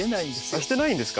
あっしてないんですか？